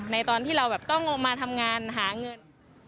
ตอนที่เราแบบต้องมาทำงานหาเงิน